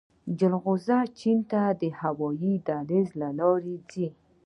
جلغوزي چین ته د هوايي دهلیز له لارې ځي